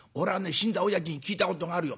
死んだおやじに聞いたことがあるよ。